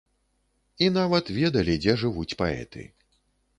І нават ведалі, дзе жывуць паэты.